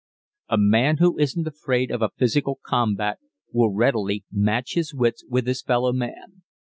A man who isn't afraid of a physical combat will readily match his wits with his fellow man.